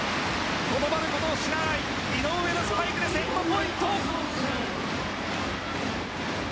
とどまることを知らない井上のスパイクでセットポイント。